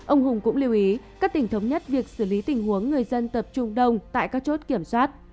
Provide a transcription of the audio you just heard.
ông hùng cũng lưu ý các tỉnh thống nhất việc xử lý tình huống người dân tập trung đông tại các chốt kiểm soát